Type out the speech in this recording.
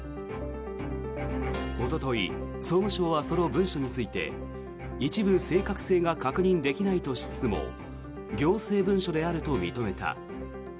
おととい、総務省はその文書について一部、正確性が確認できないとしつつも行政文書であると認めた。